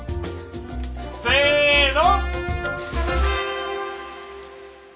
せの！